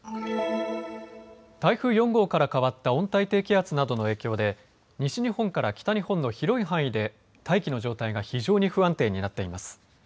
台風４号から変わった温帯低気圧などの影響で西日本から北日本の広い範囲で大気の状態が非常に不安定になっています。